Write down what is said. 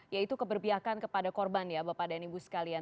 yaitu keberpiakan kepada korban ya bapak dan ibu sekalian